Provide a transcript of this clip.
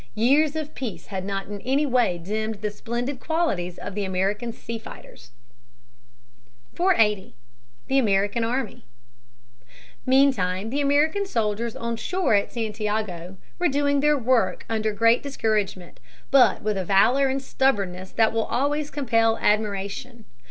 Years of peace had not in any way dimmed the splendid qualities of the American sea fighters. [Sidenote: Military preparations.] [Sidenote: The volunteers.] 480. The American Army. Meantime the American soldiers on shore at Santiago were doing their work under great discouragement, but with a valor and stubbornness that will always compel admiration.